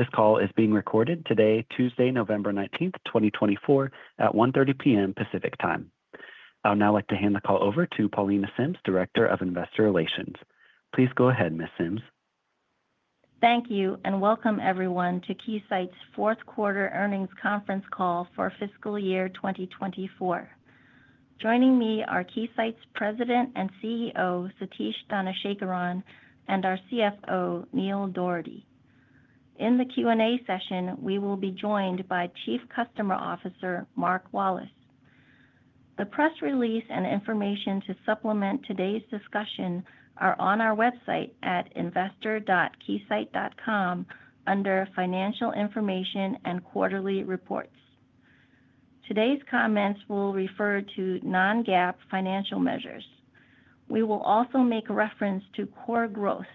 This call is being recorded today, Tuesday, November 19th, 2024, at 1:30 P.M. Pacific Time. I'll now like to hand the call over to Paulina Sims, Director of Investor Relations. Please go ahead, Ms. Sims. Thank you, and welcome everyone to Keysight's fourth quarter earnings conference call for fiscal year 2024. Joining me are Keysight's President and CEO, Satish Dhanasekaran, and our CFO, Neil Dougherty. In the Q&A session, we will be joined by Chief Customer Officer, Mark Wallace. The press release and information to supplement today's discussion are on our website at investor.keysight.com under Financial Information and Quarterly Reports. Today's comments will refer to non-GAAP financial measures. We will also make reference to core growth,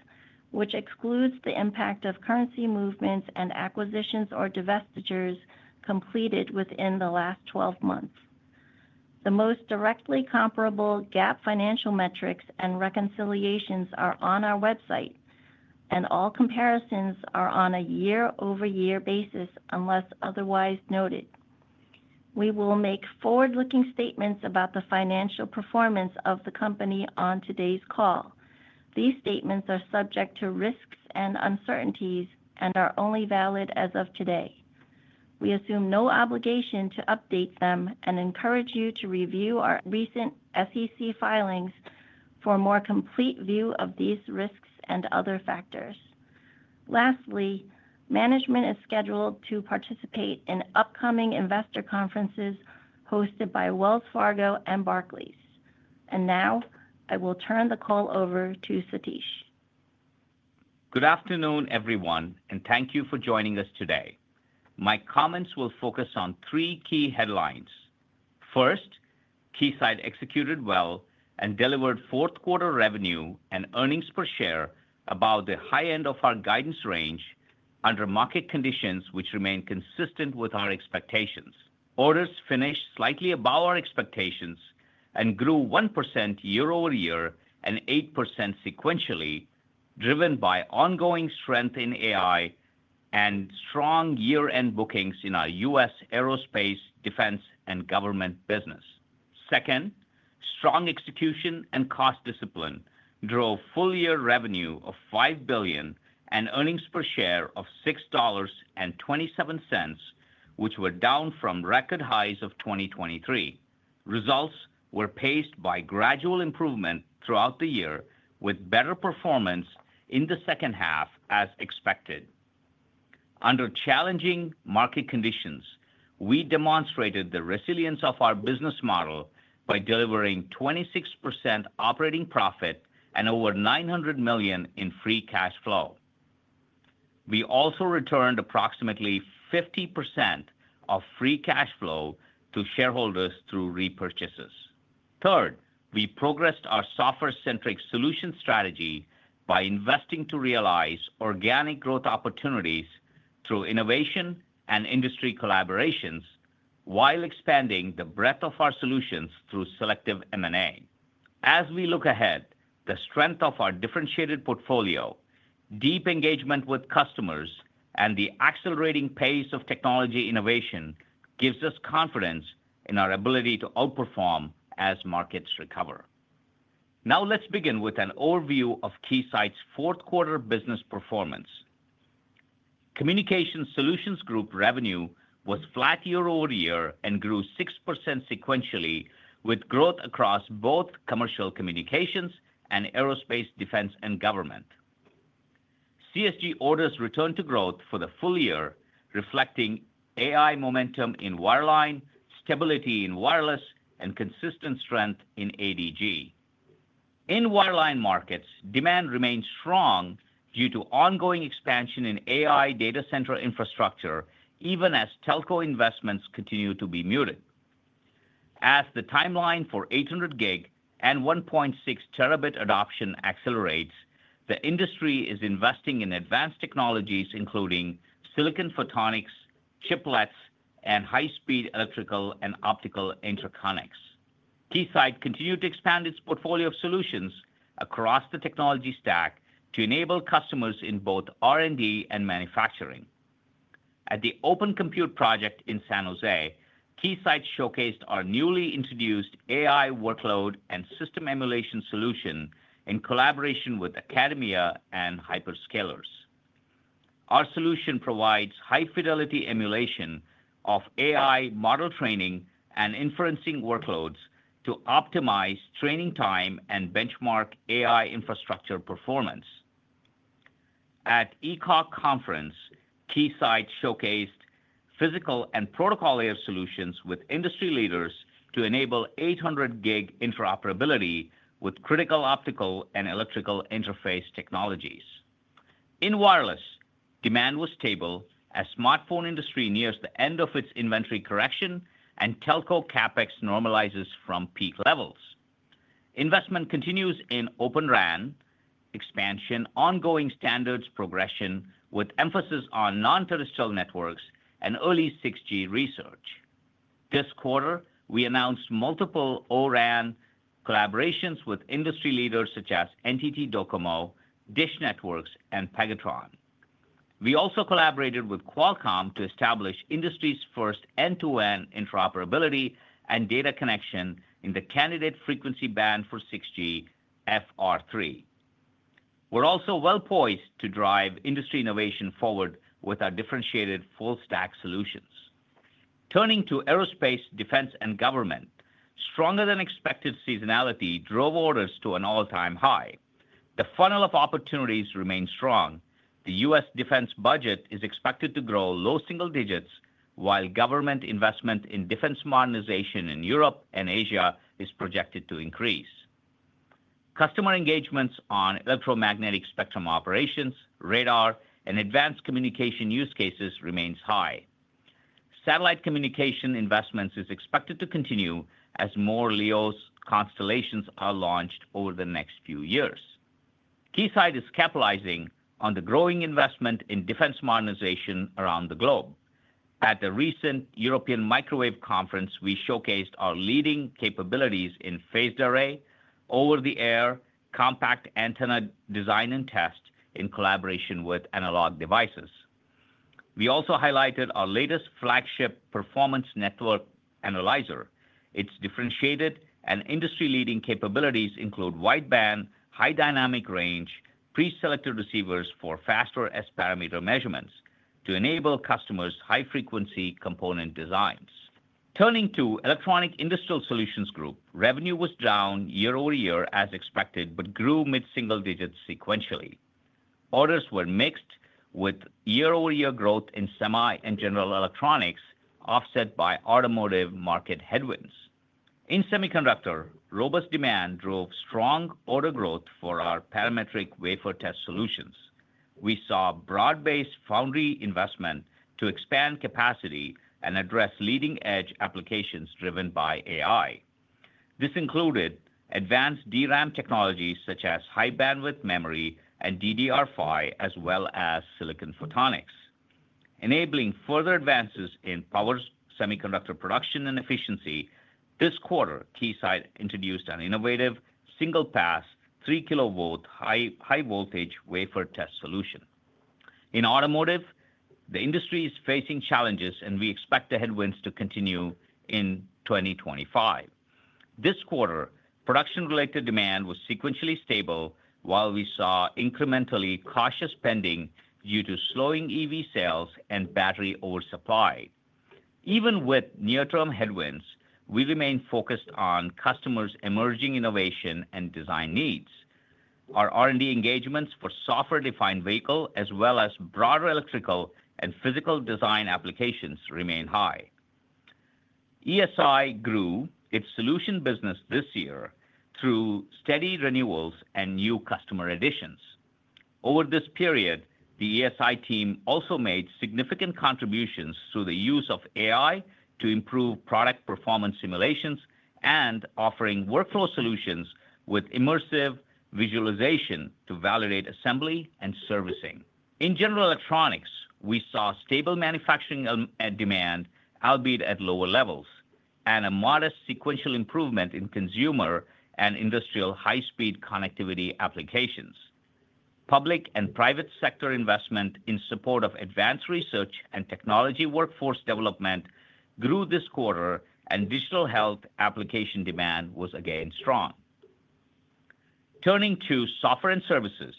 which excludes the impact of currency movements and acquisitions or divestitures completed within the last 12 months. The most directly comparable GAAP financial metrics and reconciliations are on our website, and all comparisons are on a year-over-year basis unless otherwise noted. We will make forward-looking statements about the financial performance of the company on today's call. These statements are subject to risks and uncertainties and are only valid as of today. We assume no obligation to update them and encourage you to review our recent SEC filings for a more complete view of these risks and other factors. Lastly, management is scheduled to participate in upcoming investor conferences hosted by Wells Fargo and Barclays. And now, I will turn the call over to Satish. Good afternoon, everyone, and thank you for joining us today. My comments will focus on three key headlines. First, Keysight executed well and delivered fourth quarter revenue and earnings per share above the high end of our guidance range under market conditions which remain consistent with our expectations. Orders finished slightly above our expectations and grew 1% year-over-year and 8% sequentially, driven by ongoing strength in AI and strong year-end bookings in our U.S. Aerospace, Defense, and Government business. Second, strong execution and cost discipline drove full year revenue of $5 billion and earnings per share of $6.27, which were down from record highs of 2023. Results were paced by gradual improvement throughout the year, with better performance in the second half as expected. Under challenging market conditions, we demonstrated the resilience of our business model by delivering 26% operating profit and over $900 million in free cash flow. We also returned approximately 50% of free cash flow to shareholders through repurchases. Third, we progressed our software-centric solution strategy by investing to realize organic growth opportunities through innovation and industry collaborations while expanding the breadth of our solutions through selective M&A. As we look ahead, the strength of our differentiated portfolio, deep engagement with customers, and the accelerating pace of technology innovation gives us confidence in our ability to outperform as markets recover. Now, let's begin with an overview of Keysight's fourth quarter business performance. Communications Solutions Group revenue was flat year-over-year and grew 6% sequentially, with growth across both Commercial Communications and Aerospace, Defense, and Government. CSG orders returned to growth for the full year, reflecting AI momentum in wireline, stability in wireless, and consistent strength in ADG. In wireline markets, demand remained strong due to ongoing expansion in AI data center infrastructure, even as telco investments continue to be muted. As the timeline for 800 gig and 1.6 terabit adoption accelerates, the industry is investing in advanced technologies including silicon photonics, chiplets, and high-speed electrical and optical interconnects. Keysight continued to expand its portfolio of solutions across the technology stack to enable customers in both R&D and manufacturing. At the Open Compute Project in San Jose, Keysight showcased our newly introduced AI workload and system emulation solution in collaboration with academia and hyperscalers. Our solution provides high-fidelity emulation of AI model training and inferencing workloads to optimize training time and benchmark AI infrastructure performance. At ECOC Conference, Keysight showcased physical and protocol layer solutions with industry leaders to enable 800 gig interoperability with critical optical and electrical interface technologies. In wireless, demand was stable as smartphone industry nears the end of its inventory correction and telco capex normalizes from peak levels. Investment continues in Open RAN expansion, ongoing standards progression with emphasis on non-terrestrial networks and early 6G research. This quarter, we announced multiple O-RAN collaborations with industry leaders such as NTT DoCoMo, DISH Networks, and Pegatron. We also collaborated with Qualcomm to establish industry's first end-to-end interoperability and data connection in the candidate frequency band for 6G FR3. We're also well poised to drive industry innovation forward with our differentiated full-stack solutions. Turning to Aerospace, Defense, and Government, stronger-than-expected seasonality drove orders to an all-time high. The funnel of opportunities remains strong. The U.S. defense budget is expected to grow low single digits, while government investment in defense modernization in Europe and Asia is projected to increase. Customer engagements on electromagnetic spectrum operations, radar, and advanced communication use cases remain high. Satellite communication investments are expected to continue as more LEO constellations are launched over the next few years. Keysight is capitalizing on the growing investment in defense modernization around the globe. At the recent European Microwave Conference, we showcased our leading capabilities in phased array, over-the-air, compact antenna design and test in collaboration with Analog Devices. We also highlighted our latest flagship Performance Network Analyzer. Its differentiated and industry-leading capabilities include wide band, high dynamic range, pre-selected receivers for faster S-parameter measurements to enable customers' high-frequency component designs. Turning to Electronic Industrial Solutions Group, revenue was down year-over-year as expected but grew mid-single digits sequentially. Orders were mixed with year-over-year growth in semi and general electronics, offset by automotive market headwinds. In semiconductor, robust demand drove strong order growth for our parametric wafer test solutions. We saw broad-based foundry investment to expand capacity and address leading-edge applications driven by AI. This included advanced DRAM technologies such as high bandwidth memory and DDR5, as well as silicon photonics. Enabling further advances in power semiconductor production and efficiency, this quarter, Keysight introduced an innovative single-pass 3 kV high-voltage wafer test solution. In automotive, the industry is facing challenges, and we expect the headwinds to continue in 2025. This quarter, production-related demand was sequentially stable, while we saw incrementally cautious spending due to slowing EV sales and battery oversupply. Even with near-term headwinds, we remain focused on customers' emerging innovation and design needs. Our R&D engagements for software-defined vehicles, as well as broader electrical and physical design applications, remain high. ESI grew its solution business this year through steady renewals and new customer additions. Over this period, the ESI team also made significant contributions through the use of AI to improve product performance simulations and offering workflow solutions with immersive visualization to validate assembly and servicing. In general electronics, we saw stable manufacturing demand, albeit at lower levels, and a modest sequential improvement in consumer and industrial high-speed connectivity applications. Public and private sector investment in support of advanced research and technology workforce development grew this quarter, and digital health application demand was again strong. Turning to software and services,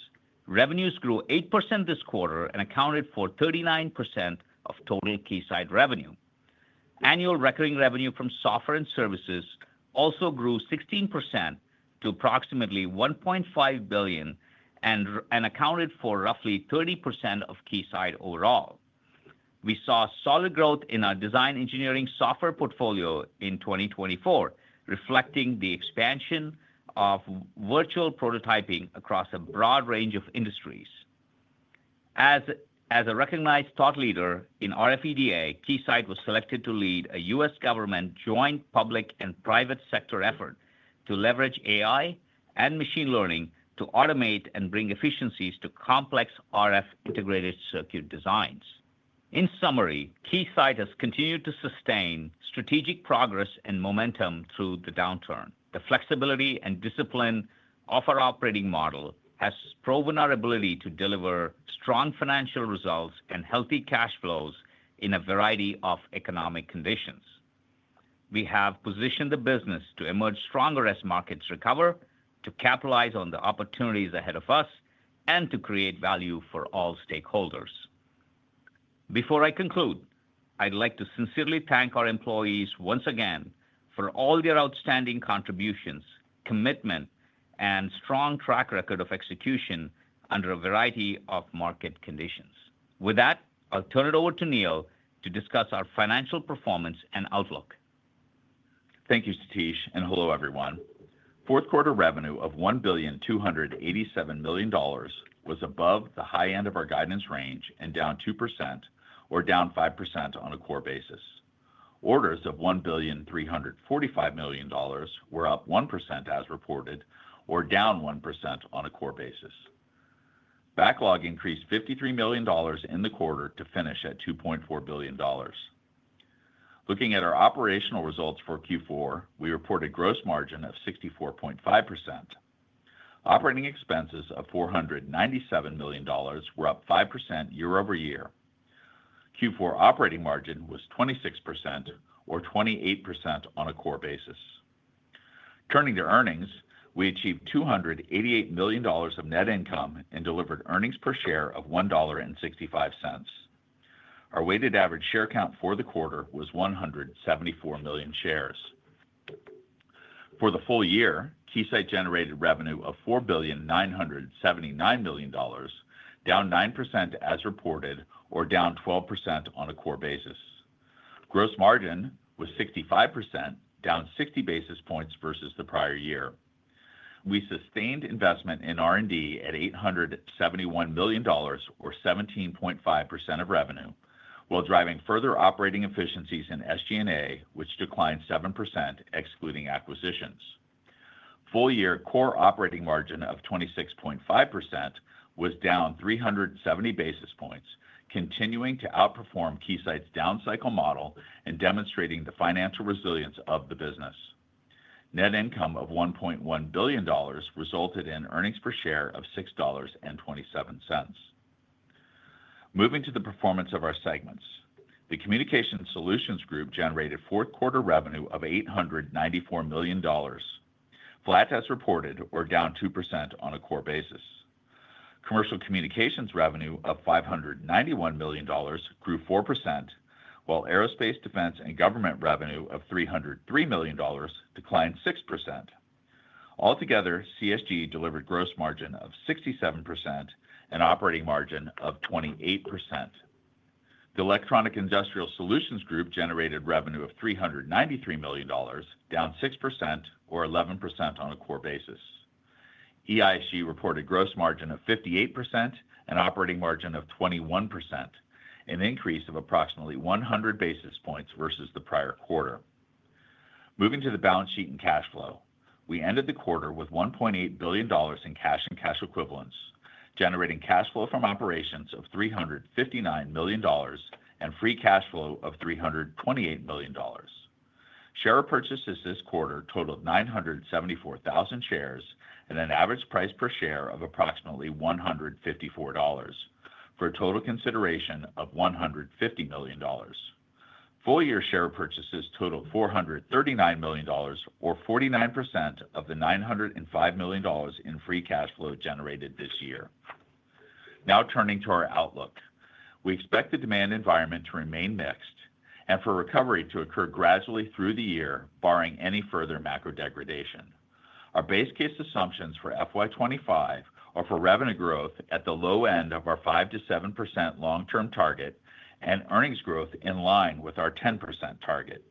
revenues grew 8% this quarter and accounted for 39% of total Keysight revenue. Annual recurring revenue from software and services also grew 16% to approximately $1.5 billion and accounted for roughly 30% of Keysight overall. We saw solid growth in our design engineering software portfolio in 2024, reflecting the expansion of virtual prototyping across a broad range of industries. As a recognized thought leader in RF EDA, Keysight was selected to lead a U.S. government joint public and private sector effort to leverage AI and machine learning to automate and bring efficiencies to complex RF-integrated circuit designs. In summary, Keysight has continued to sustain strategic progress and momentum through the downturn. The flexibility and discipline of our operating model has proven our ability to deliver strong financial results and healthy cash flows in a variety of economic conditions. We have positioned the business to emerge stronger as markets recover, to capitalize on the opportunities ahead of us, and to create value for all stakeholders. Before I conclude, I'd like to sincerely thank our employees once again for all their outstanding contributions, commitment, and strong track record of execution under a variety of market conditions. With that, I'll turn it over to Neil to discuss our financial performance and outlook. Thank you, Satish, and hello, everyone. Fourth quarter revenue of $1,287 million was above the high end of our guidance range and down 2%, or down 5% on a core basis. Orders of $1,345 million were up 1% as reported, or down 1% on a core basis. Backlog increased $53 million in the quarter to finish at $2.4 billion. Looking at our operational results for Q4, we reported gross margin of 64.5%. Operating expenses of $497 million were up 5% year-over-year. Q4 operating margin was 26%, or 28% on a core basis. Turning to earnings, we achieved $288 million of net income and delivered earnings per share of $1.65. Our weighted average share count for the quarter was 174 million shares. For the full year, Keysight generated revenue of $4,979 million, down 9% as reported, or down 12% on a core basis. Gross margin was 65%, down 60 basis points versus the prior year. We sustained investment in R&D at $871 million, or 17.5% of revenue, while driving further operating efficiencies in SG&A, which declined 7%, excluding acquisitions. Full-year core operating margin of 26.5% was down 370 basis points, continuing to outperform Keysight's down cycle model and demonstrating the financial resilience of the business. Net income of $1.1 billion resulted in earnings per share of $6.27. Moving to the performance of our segments, the Communication Solutions Group generated fourth quarter revenue of $894 million, flat as reported, or down 2% on a core basis. Commercial communications revenue of $591 million grew 4%, while aerospace, defense, and government revenue of $303 million declined 6%. Altogether, CSG delivered gross margin of 67% and operating margin of 28%. The Electronic Industrial Solutions Group generated revenue of $393 million, down 6%, or 11% on a core basis. EISG reported gross margin of 58% and operating margin of 21%, an increase of approximately 100 basis points versus the prior quarter. Moving to the balance sheet and cash flow, we ended the quarter with $1.8 billion in cash and cash equivalents, generating cash flow from operations of $359 million and free cash flow of $328 million. Share purchases this quarter totaled 974,000 shares at an average price per share of approximately $154 for a total consideration of $150 million. Full-year share purchases totaled $439 million, or 49% of the $905 million in free cash flow generated this year. Now turning to our outlook, we expect the demand environment to remain mixed and for recovery to occur gradually through the year, barring any further macro degradation. Our base case assumptions for FY25 are for revenue growth at the low end of our 5%-7% long-term target and earnings growth in line with our 10% target.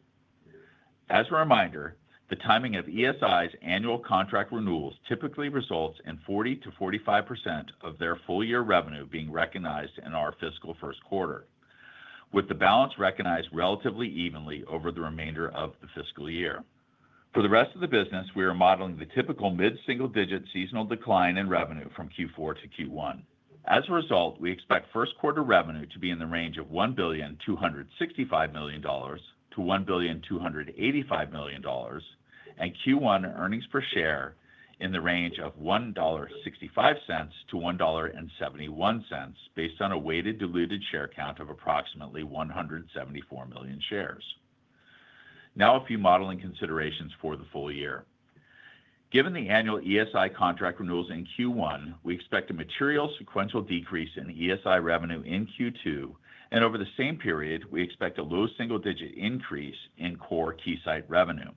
As a reminder, the timing of ESI's annual contract renewals typically results in 40%-45% of their full-year revenue being recognized in our fiscal first quarter, with the balance recognized relatively evenly over the remainder of the fiscal year. For the rest of the business, we are modeling the typical mid-single digit seasonal decline in revenue from Q4 to Q1. As a result, we expect first quarter revenue to be in the range of $1,265 million-$1,285 million and Q1 earnings per share in the range of $1.65-$1.71 based on a weighted diluted share count of approximately 174 million shares. Now a few modeling considerations for the full year. Given the annual ESI contract renewals in Q1, we expect a material sequential decrease in ESI revenue in Q2, and over the same period, we expect a low single-digit increase in core Keysight revenue.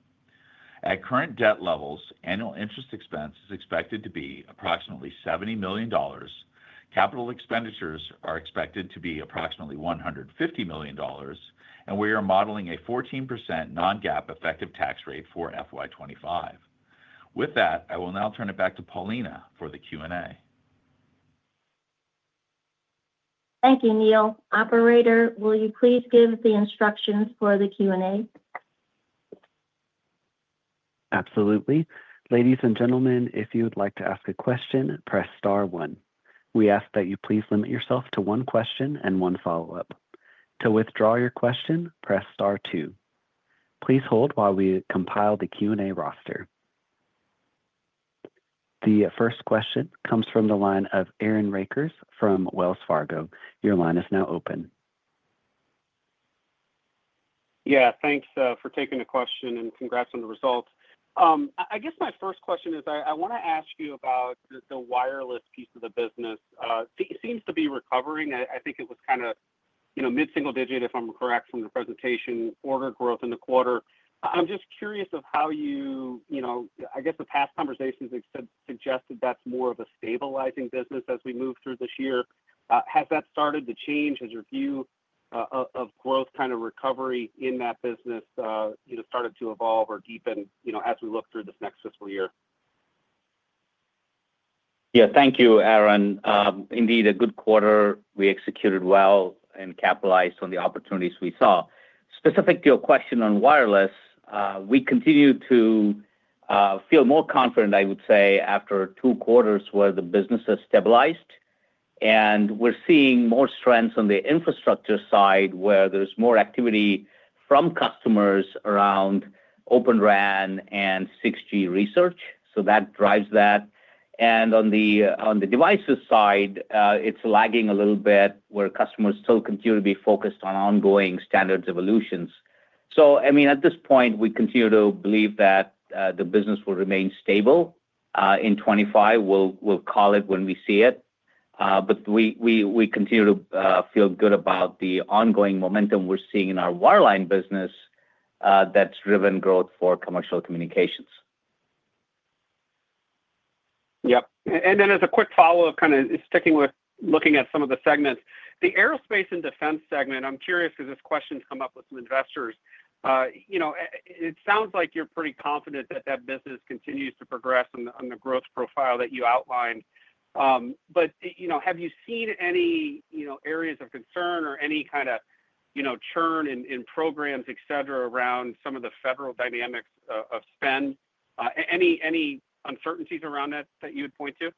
At current debt levels, annual interest expense is expected to be approximately $70 million. Capital expenditures are expected to be approximately $150 million, and we are modeling a 14% non-GAAP effective tax rate for FY25. With that, I will now turn it back to Paulina for the Q&A. Thank you, Neil. Operator, will you please give the instructions for the Q&A? Absolutely. Ladies and gentlemen, if you would like to ask a question, press star one. We ask that you please limit yourself to one question and one follow-up. To withdraw your question, press star two. Please hold while we compile the Q&A roster. The first question comes from the line of Aaron Rakers from Wells Fargo. Your line is now open. Yeah, thanks for taking the question and congrats on the results. I guess my first question is I want to ask you about the wireless piece of the business. It seems to be recovering. I think it was kind of mid-single digit, if I'm correct, from the presentation order growth in the quarter. I'm just curious of how you, I guess the past conversations have suggested that's more of a stabilizing business as we move through this year. Has that started to change? Has your view of growth kind of recovery in that business started to evolve or deepen as we look through this next fiscal year? Yeah, thank you, Aaron. Indeed, a good quarter. We executed well and capitalized on the opportunities we saw. Specific to your question on wireless, we continue to feel more confident, I would say, after two quarters where the business has stabilized. And we're seeing more strengths on the infrastructure side where there's more activity from customers around Open RAN and 6G research. So that drives that. And on the devices side, it's lagging a little bit where customers still continue to be focused on ongoing standards evolutions. So, I mean, at this point, we continue to believe that the business will remain stable in 2025. We'll call it when we see it. But we continue to feel good about the ongoing momentum we're seeing in our Wireline business that's driven growth for Commercial Communications. Yep. And then as a quick follow-up, kind of sticking with looking at some of the segments, the aerospace and defense segment, I'm curious because this question's come up with some investors. It sounds like you're pretty confident that that business continues to progress on the growth profile that you outlined. But have you seen any areas of concern or any kind of churn in programs, etc., around some of the federal dynamics of spend? Any uncertainties around that that you would point to?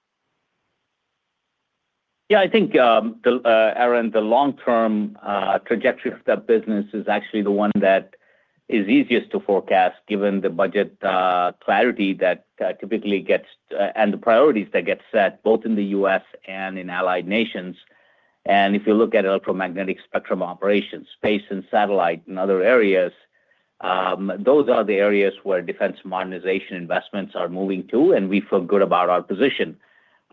Yeah, I think, Aaron, the long-term trajectory of that business is actually the one that is easiest to forecast given the budget clarity that typically gets and the priorities that get set both in the U.S. and in allied nations, and if you look at electromagnetic spectrum operations, space and satellite and other areas, those are the areas where defense modernization investments are moving to, and we feel good about our position.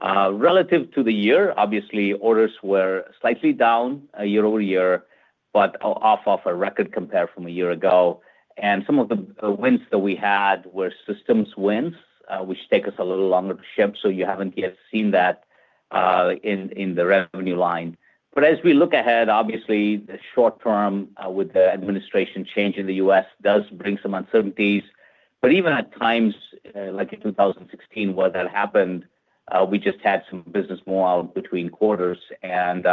Relative to the year, obviously, orders were slightly down year over year, but off of a record compare from a year ago, and some of the wins that we had were systems wins, which take us a little longer to ship, so you haven't yet seen that in the revenue line, but as we look ahead, obviously, the short term with the administration change in the U.S. does bring some uncertainties. But even at times, like in 2016, where that happened, we just had some business move out between quarters. And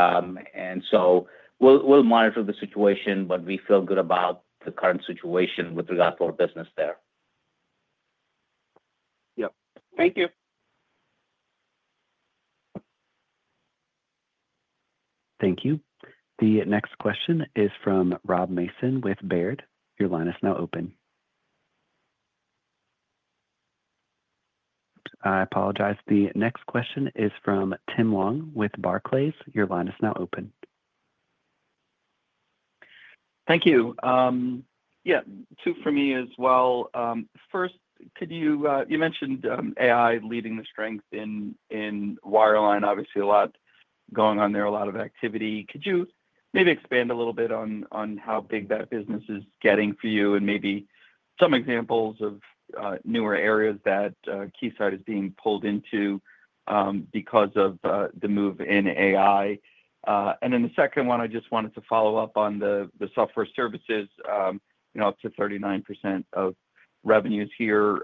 so we'll monitor the situation, but we feel good about the current situation with regard to our business there. Yep. Thank you. Thank you. The next question is from Rob Mason with Baird. Your line is now open. I apologize. The next question is from Tim Long with Barclays. Your line is now open. Thank you. Yeah, two for me as well. First, you mentioned AI leading the strength in wireline, obviously, a lot going on there, a lot of activity. Could you maybe expand a little bit on how big that business is getting for you and maybe some examples of newer areas that Keysight is being pulled into because of the move in AI? And then the second one, I just wanted to follow up on the software services, up to 39% of revenues here.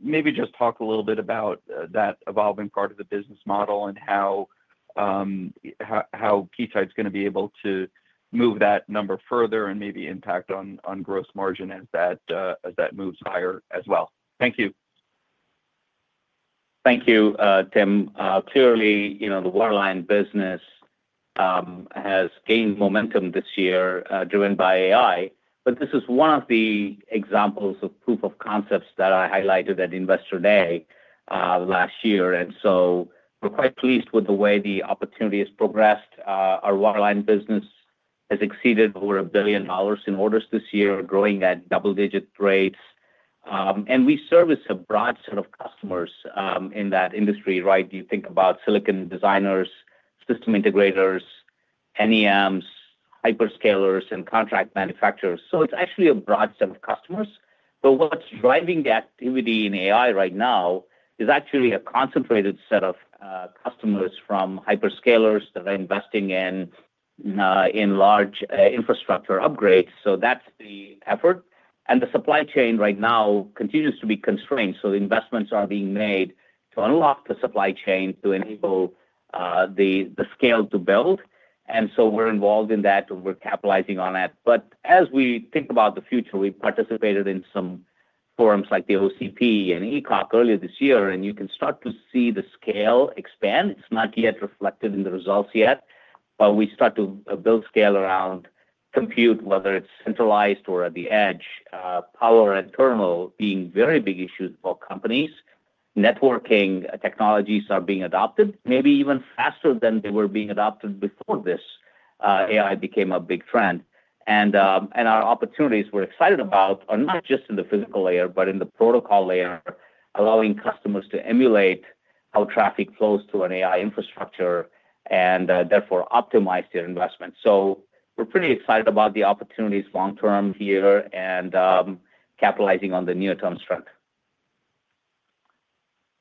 Maybe just talk a little bit about that evolving part of the business model and how Keysight's going to be able to move that number further and maybe impact on gross margin as that moves higher as well. Thank you. Thank you, Tim. Clearly, the wireline business has gained momentum this year driven by AI, but this is one of the examples of proof of concepts that I highlighted at Investor Day last year, and so we're quite pleased with the way the opportunity has progressed. Our wireline business has exceeded over $1 billion in orders this year, growing at double-digit rates, and we service a broad set of customers in that industry, right? You think about silicon designers, system integrators, NEMs, hyperscalers, and contract manufacturers, so it's actually a broad set of customers, but what's driving the activity in AI right now is actually a concentrated set of customers from hyperscalers that are investing in large infrastructure upgrades, so that's the effort, and the supply chain right now continues to be constrained. So the investments are being made to unlock the supply chain to enable the scale to build. And so we're involved in that, and we're capitalizing on it. But as we think about the future, we participated in some forums like the OCP and ECOC earlier this year, and you can start to see the scale expand. It's not yet reflected in the results, but we start to build scale around compute, whether it's centralized or at the edge, power and thermal being very big issues for companies. Networking technologies are being adopted, maybe even faster than they were being adopted before this AI became a big trend. And our opportunities we're excited about are not just in the physical layer, but in the protocol layer, allowing customers to emulate how traffic flows to an AI infrastructure and therefore optimize their investment. We're pretty excited about the opportunities long term here and capitalizing on the near-term strength.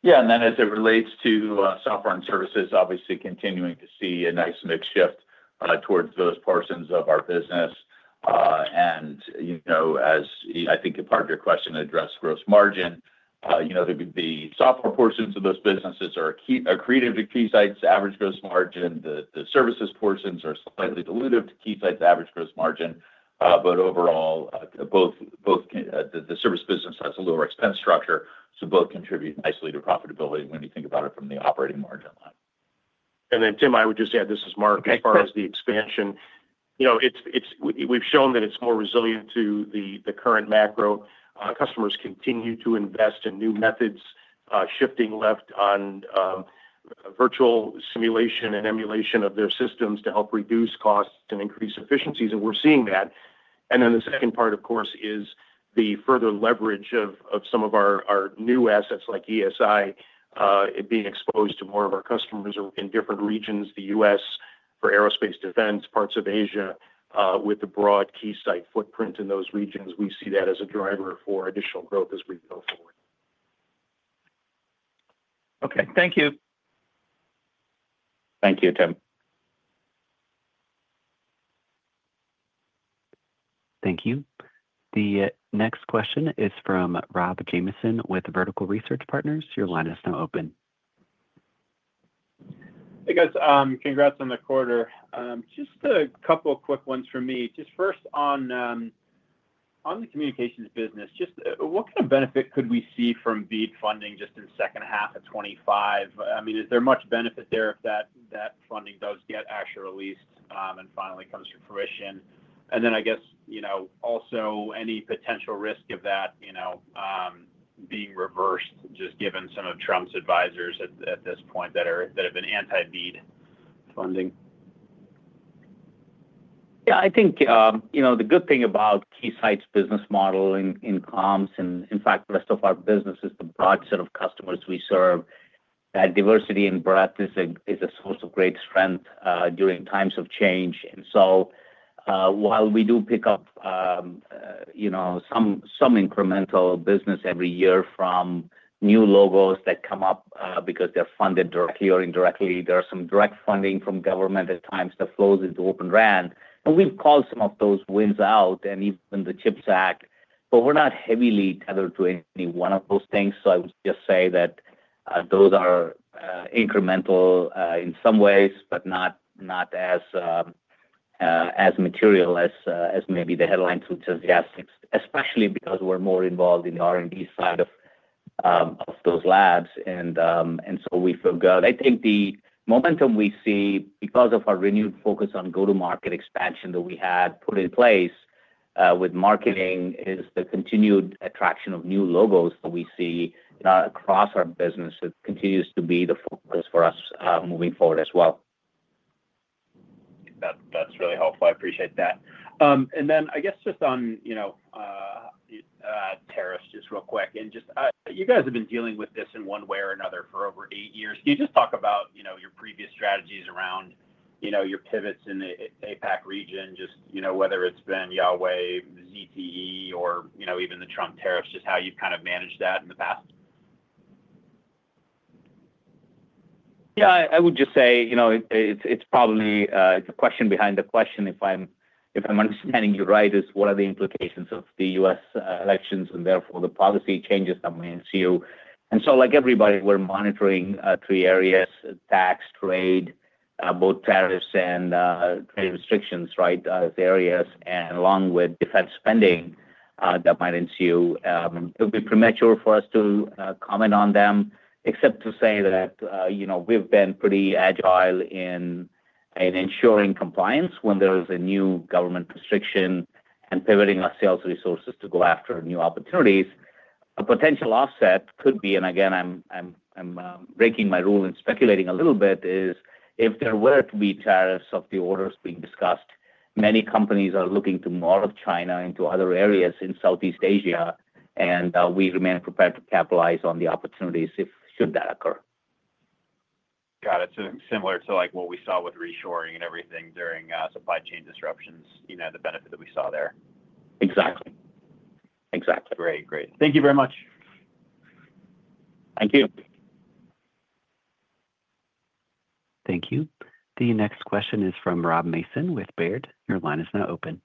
Yeah. And then as it relates to software and services, obviously continuing to see a nice mix shift towards those portions of our business. And as I think a part of your question addressed gross margin, the software portions of those businesses are accretive to Keysight's average gross margin. The services portions are slightly diluted to Keysight's average gross margin. But overall, both the service business has a lower expense structure, so both contribute nicely to profitability when you think about it from the operating margin line. And then, Tim, I would just add this as Mark as far as the expansion. We've shown that it's more resilient to the current macro. Customers continue to invest in new methods, shifting left on virtual simulation and emulation of their systems to help reduce costs and increase efficiencies. And we're seeing that. And then the second part, of course, is the further leverage of some of our new assets like ESI being exposed to more of our customers in different regions, the U.S. for aerospace defense, parts of Asia. With the broad Keysight footprint in those regions, we see that as a driver for additional growth as we go forward. Okay. Thank you. Thank you, Tim. Thank you. The next question is from Rob Jamieson with Vertical Research Partners. Your line is now open. Hey, guys. Congrats on the quarter. Just a couple of quick ones for me. Just first, on the communications business, just what kind of benefit could we see from BEAD funding just in second half of 2025? I mean, is there much benefit there if that funding does get actually released and finally comes to fruition? And then I guess also any potential risk of that being reversed, just given some of Trump's advisors at this point that have been anti-BEAD funding? Yeah, I think the good thing about Keysight's business model in comms and, in fact, the rest of our business is the broad set of customers we serve. That diversity and breadth is a source of great strength during times of change, and so while we do pick up some incremental business every year from new logos that come up because they're funded directly or indirectly, there are some direct funding from government at times that flows into Open RAN, and we've called some of those wins out and even the CHIPS Act, but we're not heavily tethered to any one of those things, so I would just say that those are incremental in some ways, but not as material as maybe the headlines would suggest, especially because we're more involved in the R&D side of those labs, and so we feel good. I think the momentum we see because of our renewed focus on go-to-market expansion that we had put in place with marketing is the continued attraction of new logos that we see across our business. It continues to be the focus for us moving forward as well. That's really helpful. I appreciate that. And then, I guess, just on tariffs, just real quick, and just you guys have been dealing with this in one way or another for over eight years. Can you just talk about your previous strategies around your pivots in the APAC region, just whether it's been Huawei, ZTE, or even the Trump tariffs, just how you've kind of managed that in the past? Yeah, I would just say it's probably the question behind the question, if I'm understanding you right, is what are the implications of the U.S. elections and therefore the policy changes that may ensue, and so like everybody, we're monitoring three areas: tax, trade, both tariffs and trade restrictions, right, as areas, and along with defense spending that might ensue. It would be premature for us to comment on them, except to say that we've been pretty agile in ensuring compliance when there is a new government restriction and pivoting our sales resources to go after new opportunities. A potential offset could be, and again, I'm breaking my rule and speculating a little bit, is if there were to be tariffs of the orders being discussed, many companies are looking to morph China into other areas in Southeast Asia, and we remain prepared to capitalize on the opportunities should that occur. Got it. So similar to what we saw with reshoring and everything during supply chain disruptions, the benefit that we saw there. Exactly. Exactly. Great. Great. Thank you very much. Thank you. Thank you. The next question is from Rob Mason with Baird. Your line is now open.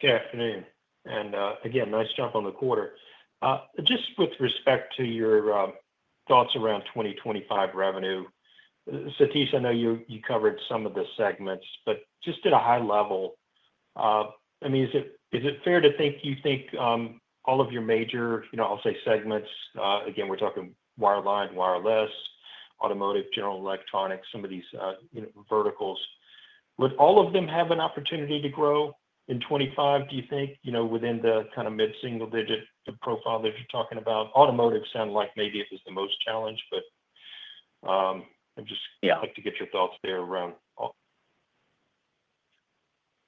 Good afternoon. And again, nice jump on the quarter. Just with respect to your thoughts around 2025 revenue, Satish, I know you covered some of the segments, but just at a high level, I mean, is it fair to think you think all of your major, I'll say, segments, again, we're talking wireline, wireless, automotive, general electronics, some of these verticals, would all of them have an opportunity to grow in 2025, do you think, within the kind of mid-single-digit profile that you're talking about? Automotive sounded like maybe it was the most challenged, but I'd just like to get your thoughts there around all?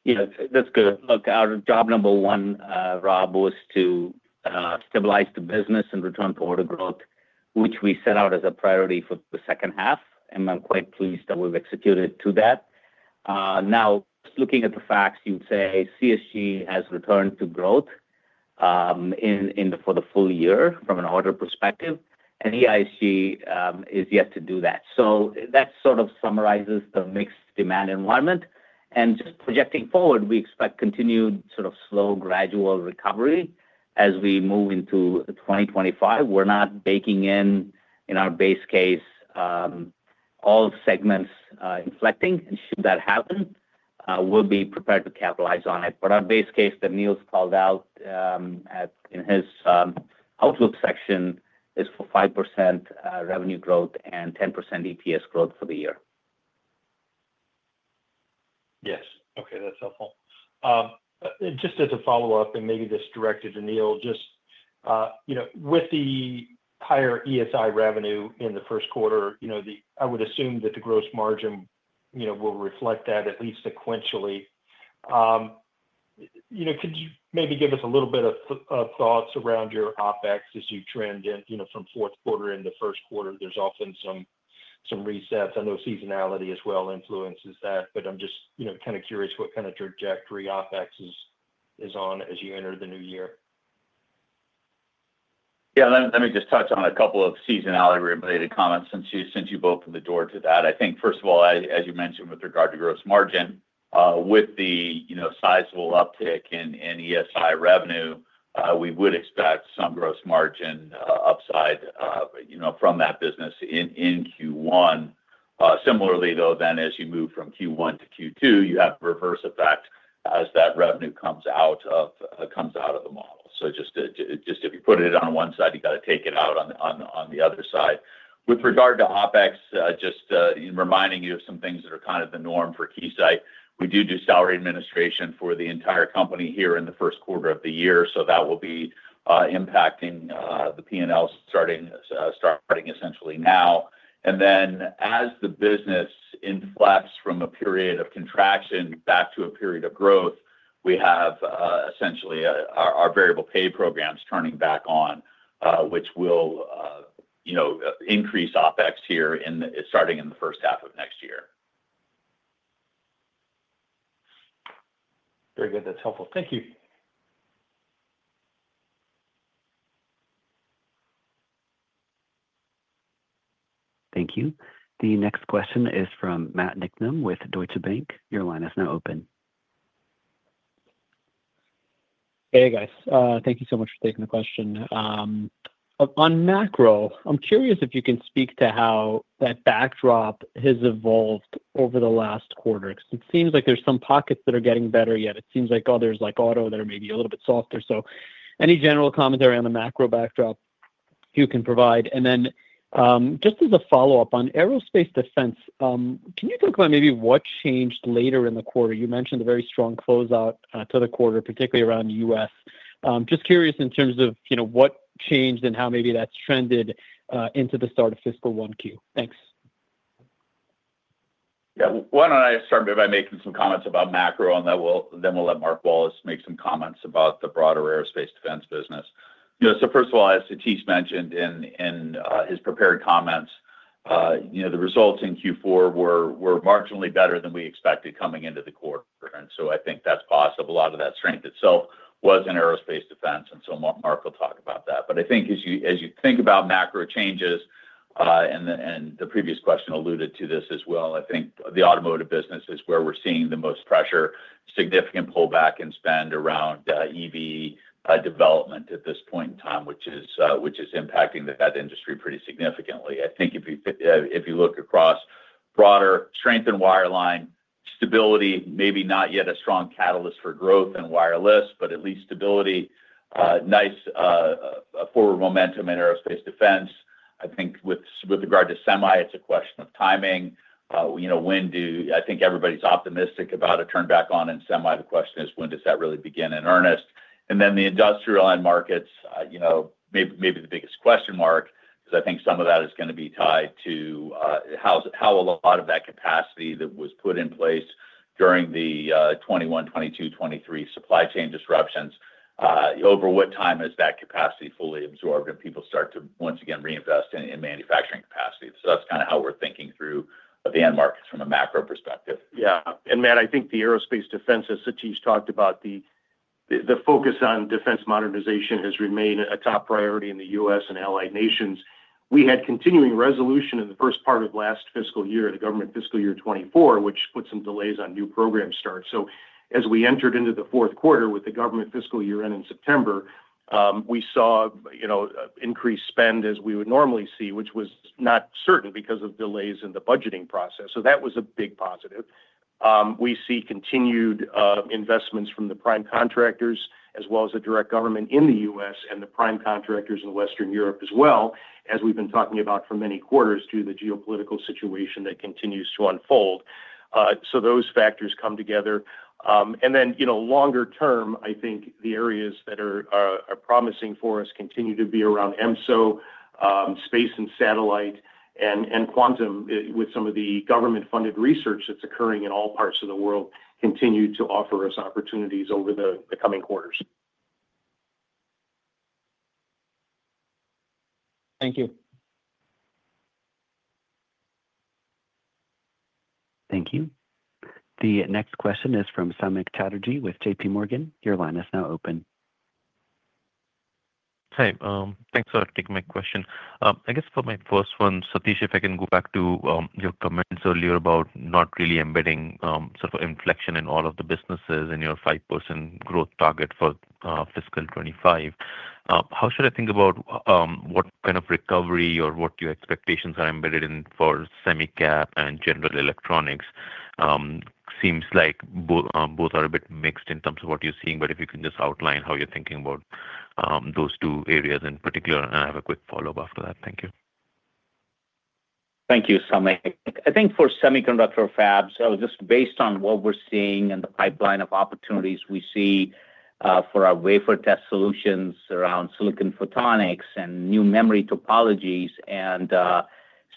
Yeah. That's good. Look, our job number one, Rob, was to stabilize the business and return to order growth, which we set out as a priority for the second half. And I'm quite pleased that we've executed to that. Now, looking at the facts, you'd say CSG has returned to growth for the full year from an order perspective, and EISG is yet to do that. So that sort of summarizes the mixed demand environment. And just projecting forward, we expect continued sort of slow, gradual recovery as we move into 2025. We're not baking in our base case all segments inflecting. And should that happen, we'll be prepared to capitalize on it. But our base case that Neil's called out in his outlook section is for 5% revenue growth and 10% EPS growth for the year. Yes. Okay. That's helpful. Just as a follow-up, and maybe this directed to Neil, just with the higher ESI revenue in the first quarter, I would assume that the gross margin will reflect that at least sequentially. Could you maybe give us a little bit of thoughts around your OpEx as you trend from fourth quarter into first quarter? There's often some resets. I know seasonality as well influences that, but I'm just kind of curious what kind of trajectory OpEx is on as you enter the new year. Yeah. Let me just touch on a couple of seasonality-related comments since you both have the floor to that. I think, first of all, as you mentioned, with regard to gross margin, with the sizable uptick in ESI revenue, we would expect some gross margin upside from that business in Q1. Similarly, though, then as you move from Q1 to Q2, you have reverse effect as that revenue comes out of the model. So just if you put it on one side, you got to take it out on the other side. With regard to OpEx, just reminding you of some things that are kind of the norm for Keysight. We do do salary administration for the entire company here in the first quarter of the year, so that will be impacting the P&L starting essentially now. As the business inflects from a period of contraction back to a period of growth, we have essentially our variable pay programs turning back on, which will increase OpEx here starting in the first half of next year. Very good. That's helpful. Thank you. Thank you. The next question is from Matt Niknam with Deutsche Bank. Your line is now open. Hey, guys. Thank you so much for taking the question. On macro, I'm curious if you can speak to how that backdrop has evolved over the last quarter. It seems like there's some pockets that are getting better, yet it seems like others like auto that are maybe a little bit softer. So any general commentary on the macro backdrop you can provide? And then just as a follow-up on aerospace defense, can you talk about maybe what changed later in the quarter? You mentioned a very strong closeout to the quarter, particularly around the U.S. Just curious in terms of what changed and how maybe that's trended into the start of fiscal 1Q. Thanks. Yeah. Why don't I start by making some comments about macro, and then we'll let Mark Wallace make some comments about the broader aerospace defense business. So first of all, as Satish mentioned in his prepared comments, the results in Q4 were marginally better than we expected coming into the quarter. And so I think that's possible. A lot of that strength itself was in aerospace defense, and so Mark will talk about that. But I think as you think about macro changes, and the previous question alluded to this as well, I think the automotive business is where we're seeing the most pressure, significant pullback in spend around EV development at this point in time, which is impacting that industry pretty significantly. I think if you look across broader strength in wireline, stability, maybe not yet a strong catalyst for growth in wireless, but at least stability, nice forward momentum in aerospace defense. I think with regard to semi, it's a question of timing. I think everybody's optimistic about a turn back on in semi. The question is, when does that really begin in earnest? And then the industrial end markets, maybe the biggest question mark, because I think some of that is going to be tied to how a lot of that capacity that was put in place during the 2021, 2022, 2023 supply chain disruptions, over what time is that capacity fully absorbed and people start to once again reinvest in manufacturing capacity? So that's kind of how we're thinking through the end markets from a macro perspective. Yeah. Matt, I think the aerospace and defense, as Satish talked about, the focus on defense modernization has remained a top priority in the U.S. and allied nations. We had Continuing Resolution in the first part of last fiscal year, the government fiscal year 2024, which put some delays on new program starts. So as we entered into the fourth quarter with the government fiscal year end in September, we saw increased spend as we would normally see, which was not certain because of delays in the budgeting process. So that was a big positive. We see continued investments from the prime contractors as well as the direct government in the U.S. and the prime contractors in Western Europe as well, as we've been talking about for many quarters due to the geopolitical situation that continues to unfold. So those factors come together. Longer term, I think the areas that are promising for us continue to be around EMSO, space and satellite, and quantum, with some of the government-funded research that's occurring in all parts of the world, continue to offer us opportunities over the coming quarters. Thank you. Thank you. The next question is from Samik Chatterjee with JPMorgan. Your line is now open. Hi. Thanks for taking my question. I guess for my first one, Satish, if I can go back to your comments earlier about not really embedding sort of inflection in all of the businesses in your 5% growth target for fiscal 2025, how should I think about what kind of recovery or what your expectations are embedded in for semicap and general electronics? Seems like both are a bit mixed in terms of what you're seeing, but if you can just outline how you're thinking about those two areas in particular, and I have a quick follow-up after that. Thank you. Thank you, Samik. I think for semiconductor fabs, just based on what we're seeing and the pipeline of opportunities we see for our wafer test solutions around silicon photonics and new memory topologies and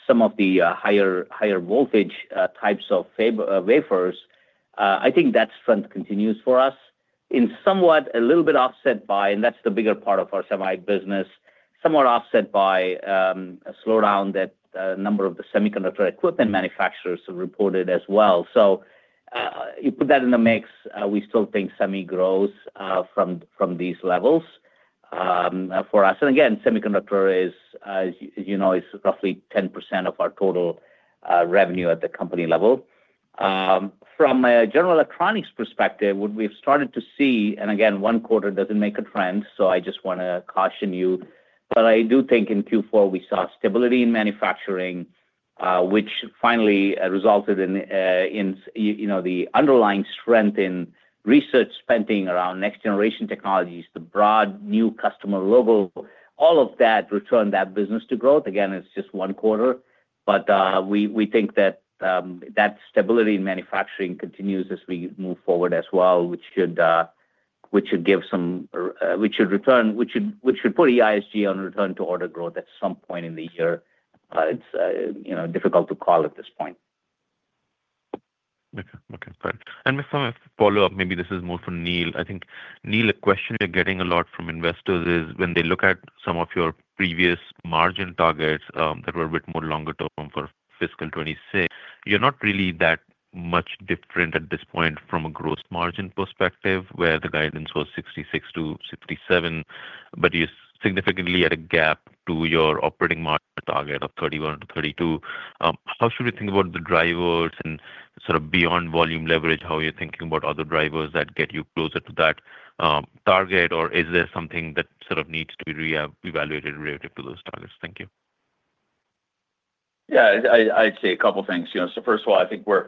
some of the higher voltage types of wafers, I think that strength continues for us. It's somewhat a little bit offset by, and that's the bigger part of our semi business, somewhat offset by a slowdown that a number of the semiconductor equipment manufacturers have reported as well. So you put that in the mix, we still think semi grows from these levels for us. And again, semiconductor is, as you know, roughly 10% of our total revenue at the company level. From a general electronics perspective, what we've started to see, and again, one quarter doesn't make a trend, so I just want to caution you, but I do think in Q4 we saw stability in manufacturing, which finally resulted in the underlying strength in research spending around next-generation technologies, the broad new customer logo. All of that returned that business to growth. Again, it's just one quarter, but we think that that stability in manufacturing continues as we move forward as well, which should return, which should put EISG on return to order growth at some point in the year. It's difficult to call at this point. Okay. Okay. Perfect. And maybe some follow-up, maybe this is more for Neil. I think, Neil, a question we're getting a lot from investors is when they look at some of your previous margin targets that were a bit more longer term for fiscal 2026, you're not really that much different at this point from a gross margin perspective where the guidance was 66%-67%, but you're significantly at a gap to your operating margin target of 31%-32%. How should we think about the drivers and sort of beyond volume leverage, how you're thinking about other drivers that get you closer to that target, or is there something that sort of needs to be reevaluated relative to those targets? Thank you. Yeah. I'd say a couple of things. So first of all, I think we're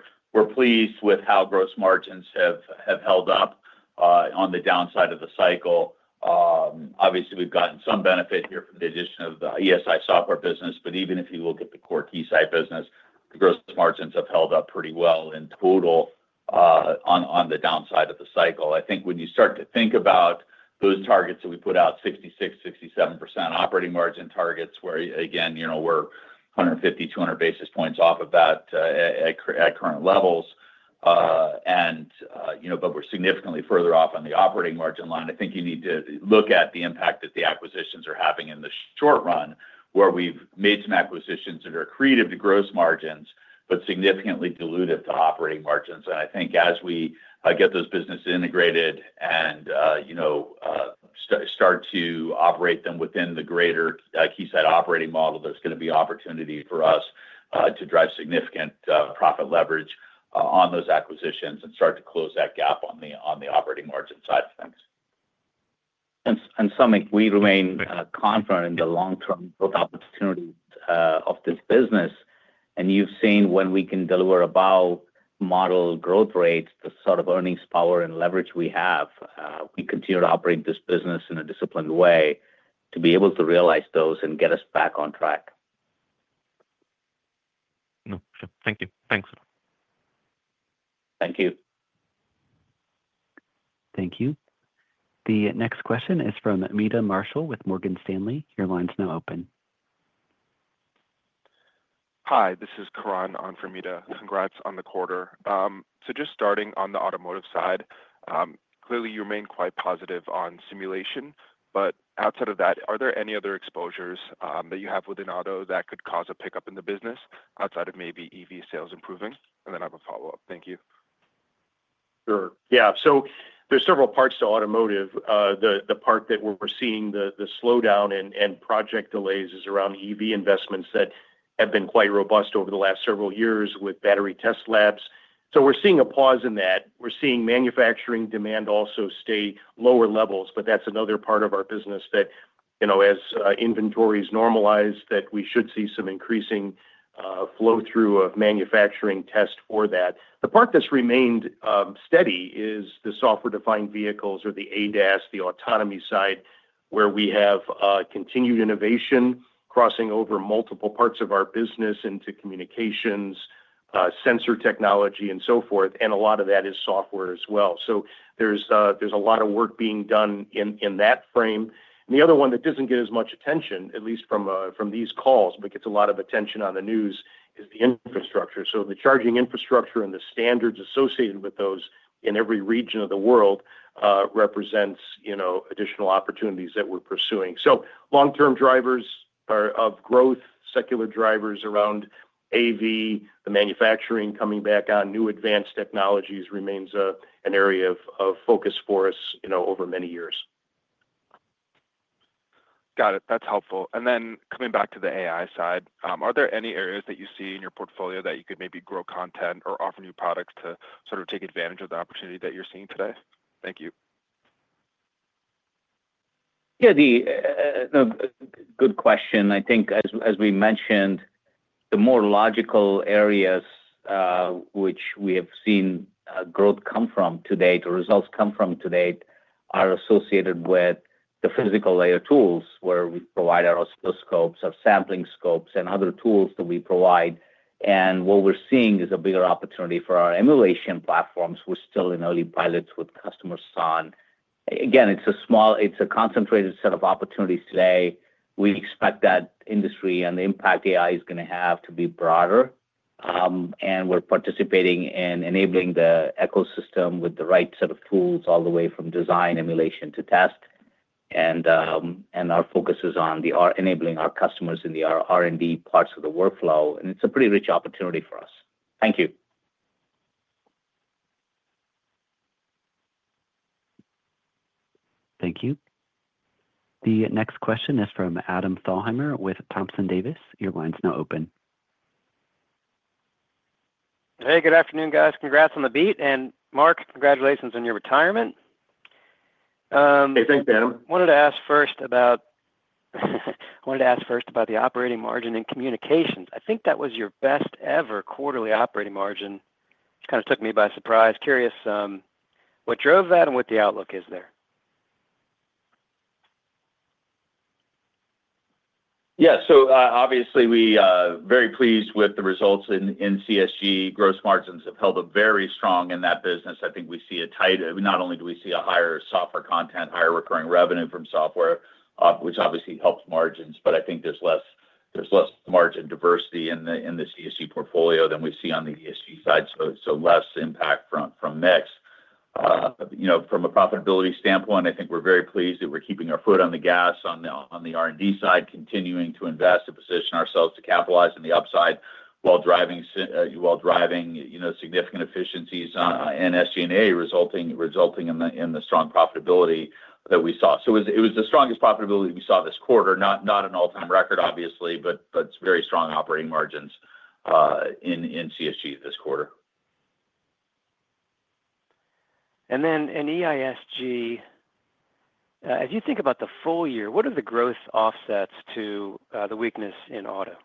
pleased with how gross margins have held up on the downside of the cycle. Obviously, we've gotten some benefit here from the addition of the ESI software business, but even if you look at the core Keysight business, the gross margins have held up pretty well in total on the downside of the cycle. I think when you start to think about those targets that we put out, 66%-67% operating margin targets where, again, we're 150-200 basis points off of that at current levels, but we're significantly further off on the operating margin line. I think you need to look at the impact that the acquisitions are having in the short run, where we've made some acquisitions that are accretive to gross margins, but significantly diluted to operating margins. And I think as we get those businesses integrated and start to operate them within the greater Keysight operating model, there's going to be opportunity for us to drive significant profit leverage on those acquisitions and start to close that gap on the operating margin side of things. And Samik, we remain confident in the long-term growth opportunities of this business. And you've seen when we can deliver about model growth rates, the sort of earnings power and leverage we have, we continue to operate this business in a disciplined way to be able to realize those and get us back on track. No. Thank you. Thanks. Thank you. Thank you. The next question is from Meta Marshall with Morgan Stanley. Your line's now open. Hi. This is Karan on for Meta. Congrats on the quarter. So just starting on the automotive side, clearly you remain quite positive on simulation, but outside of that, are there any other exposures that you have within auto that could cause a pickup in the business outside of maybe EV sales improving? And then I have a follow-up. Thank you. Sure. Yeah. So there's several parts to automotive. The part that we're seeing the slowdown and project delays is around EV investments that have been quite robust over the last several years with battery test labs. So we're seeing a pause in that. We're seeing manufacturing demand also stay lower levels, but that's another part of our business that as inventories normalize, that we should see some increasing flow-through of manufacturing test for that. The part that's remained steady is the software-defined vehicles or the ADAS, the autonomy side, where we have continued innovation crossing over multiple parts of our business into communications, sensor technology, and so forth, and a lot of that is software as well. So there's a lot of work being done in that frame. And the other one that doesn't get as much attention, at least from these calls, but gets a lot of attention on the news, is the infrastructure. So the charging infrastructure and the standards associated with those in every region of the world represents additional opportunities that we're pursuing. So long-term drivers of growth, secular drivers around AV, the manufacturing coming back on, new advanced technologies remains an area of focus for us over many years. Got it. That's helpful. And then coming back to the AI side, are there any areas that you see in your portfolio that you could maybe grow content or offer new products to sort of take advantage of the opportunity that you're seeing today? Thank you. Yeah. Good question. I think as we mentioned, the more logical areas which we have seen growth come from to date, or results come from to date, are associated with the physical layer tools where we provide our oscilloscopes, our sampling scopes, and other tools that we provide. And what we're seeing is a bigger opportunity for our emulation platforms. We're still in early pilots with customer SAN. Again, it's a concentrated set of opportunities today. We expect that industry and the impact AI is going to have to be broader. And we're participating in enabling the ecosystem with the right set of tools all the way from design, emulation to test. And our focus is on enabling our customers in the R&D parts of the workflow. And it's a pretty rich opportunity for us. Thank you. Thank you. The next question is from Adam Thalhimer with Thompson Davis. Your line's now open. Hey, good afternoon, guys. Congrats on the beat, and Mark, congratulations on your retirement. Hey, thanks, Adam. I wanted to ask first about the operating margin in communications. I think that was your best ever quarterly operating margin. It kind of took me by surprise. Curious what drove that and what the outlook is there. Yeah. So obviously, we are very pleased with the results in CSG. Gross margins have held up very strong in that business. I think we see that not only do we see a higher software content, higher recurring revenue from software, which obviously helps margins, but I think there's less margin diversity in the CSG portfolio than we see on the EISG side. So less impact from mix. From a profitability standpoint, I think we're very pleased that we're keeping our foot on the gas on the R&D side, continuing to invest, to position ourselves to capitalize on the upside while driving significant efficiencies in SG&A resulting in the strong profitability that we saw. So it was the strongest profitability we saw this quarter, not an all-time record, obviously, but very strong operating margins in CSG this quarter. And then in EISG, as you think about the full year, what are the growth offsets to the weakness in auto?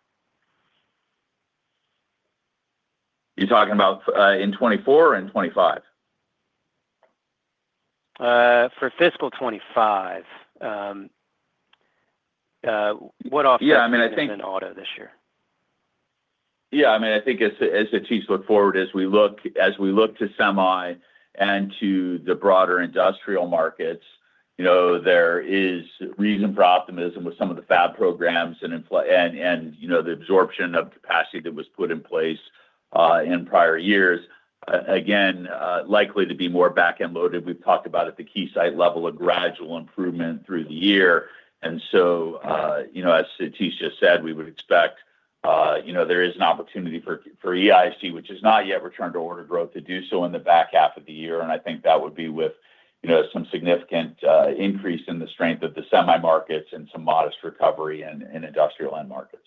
You're talking about in 2024 or in 2025? For fiscal 2025, what offsets are in auto this year? Yeah. I mean, I think as Satish looked forward, as we look to semi and to the broader industrial markets, there is reason for optimism with some of the fab programs and the absorption of capacity that was put in place in prior years. Again, likely to be more back-end loaded. We've talked about at the Keysight level a gradual improvement through the year, and so as Satish just said, we would expect there is an opportunity for EISG, which has not yet returned to order growth, to do so in the back half of the year, and I think that would be with some significant increase in the strength of the semi markets and some modest recovery in industrial end markets.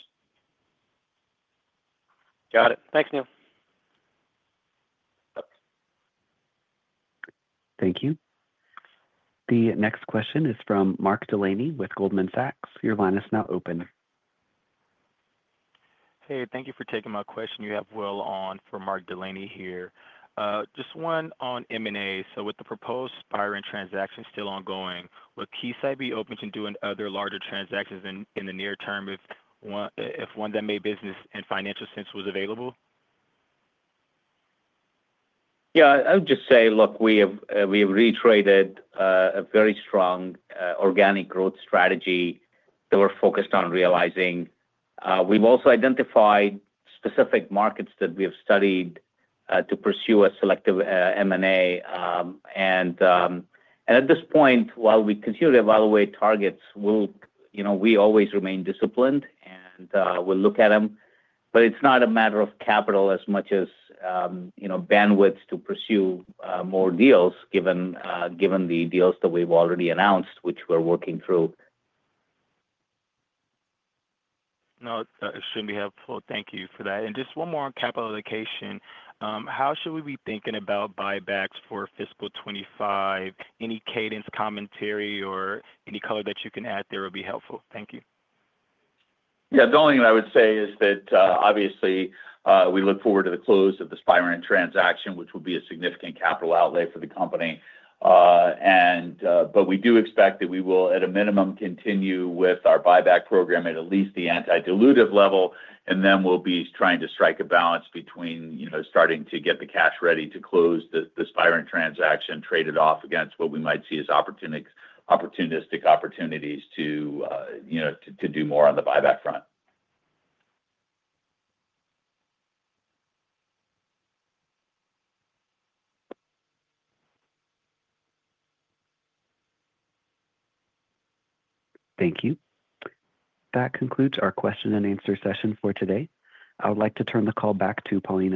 Got it. Thanks, Neil. Thank you. The next question is from Mark Delaney with Goldman Sachs. Your line is now open. Hey, thank you for taking my question. You have Will on for Mark Delaney here. Just one on M&A. So with the proposed Spirent transaction still ongoing, would Keysight be open to doing other larger transactions in the near term if one that made business and financial sense was available? Yeah. I would just say, look, we have retraded a very strong organic growth strategy that we're focused on realizing. We've also identified specific markets that we have studied to pursue a selective M&A. And at this point, while we continue to evaluate targets, we always remain disciplined and we'll look at them. But it's not a matter of capital as much as bandwidth to pursue more deals given the deals that we've already announced, which we're working through. No, I assume you have full. Thank you for that. And just one more on capitalization. How should we be thinking about buybacks for fiscal 2025? Any cadence commentary or any color that you can add there would be helpful. Thank you. Yeah. The only thing I would say is that obviously we look forward to the close of the Spirent transaction, which will be a significant capital outlay for the company. But we do expect that we will, at a minimum, continue with our buyback program at least the antidilutive level, and then we'll be trying to strike a balance between starting to get the cash ready to close the Spirent transaction, trade it off against what we might see as opportunistic opportunities to do more on the buyback front. Thank you. That concludes our question and answer session for today. I would like to turn the call back to Paulina.